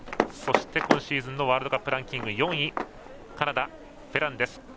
そして、今シーズンのワールドカップランキング４位カナダ、フェランです。